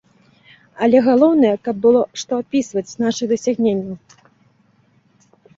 Але галоўнае, каб было што апісваць з нашых дасягненняў.